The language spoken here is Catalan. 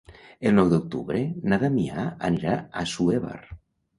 El nou d'octubre na Damià anirà a Assuévar.